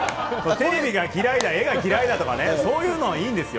テレビが嫌いだ、絵が嫌いだとかね、そういうのはいいんですよ。